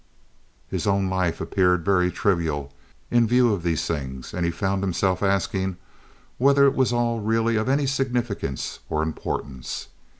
His own life appeared very trivial in view of these things, and he found himself asking whether it was all really of any significance or importance.